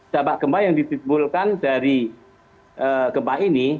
dampak gempa yang ditimbulkan dari gempa ini